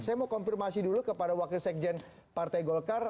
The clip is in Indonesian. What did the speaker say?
saya mau konfirmasi dulu kepada wakil sekjen partai golkar